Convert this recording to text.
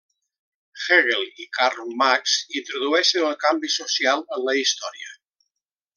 Hegel i Karl Marx introdueixen el canvi social en la història.